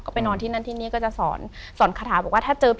ไปนอนที่นั่นที่นี่ก็จะสอนสอนคาถาบอกว่าถ้าเจอ